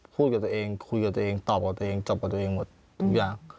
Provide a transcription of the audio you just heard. กับตัวเองคุยกับตัวเองตอบกับตัวเองตอบกับตัวเองหมดทุกอย่าง